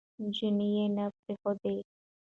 نجونې يې نه پرېښودې،